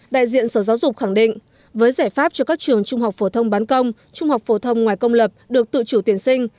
đại diện sở giáo dục khẳng định với giải pháp cho các trường trung học phổ thông bán công trung học phổ thông ngoài công lập được tự chủ tuyển sinh